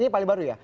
ini paling baru ya